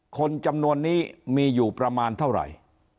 คนจำนวนนี้มีอยู่ประมาณเท่าไหร่